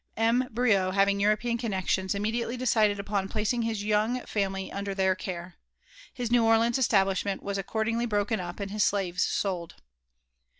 M. Briot having. BiHtopean cooneiions^ iamiediately' decided upon placing his young fmnfily under their cam. His New CMeansi CBtablisfamaat was^ac* cordln^y hr^ew up, and hIS' slaves sold).